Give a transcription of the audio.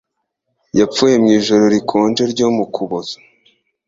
Yapfuye mu ijoro rikonje ryo mu Kuboza.